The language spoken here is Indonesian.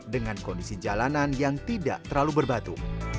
dengan kondisi jalanan yang tidak terlalu berbatu